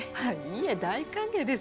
いえ大歓迎です。